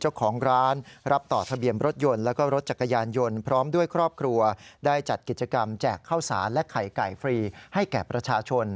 เจ้ารถจักรยานยนต์พร้อมด้วยครอบครัวได้จัดกิจกรรมแจกข้าวศาลและไข่ไก่ฟรีให้แก่ประชาชน